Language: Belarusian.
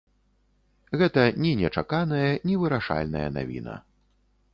Гэта ні нечаканая, ні вырашальная навіна.